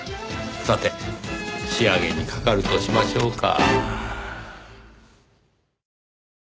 さて仕上げにかかるとしましょうか。